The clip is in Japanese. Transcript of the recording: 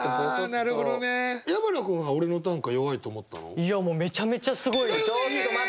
いやもうめちゃめちゃすごい。だよね！ね！